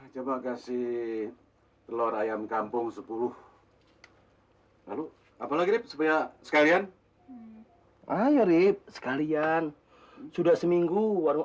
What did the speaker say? coba kasih telur ayam kampung sepuluh lalu apalagi supaya sekalian ayo rip sekalian sudah seminggu warung